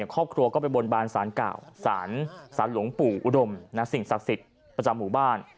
ครอบครัวก็ไปบนบานสารเก่าสารหลวงปู่อุดมสิ่งศักดิ์สิทธิ์ประจำหมู่บ้าน